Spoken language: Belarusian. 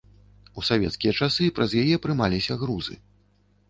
У савецкія часы праз яе прымаліся грузы.